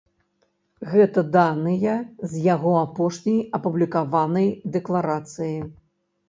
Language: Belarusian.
Гэта даныя з яго апошняй апублікаванай дэкларацыі.